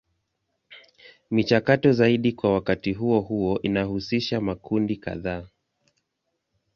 Michakato zaidi kwa wakati huo huo inahusisha makundi kadhaa.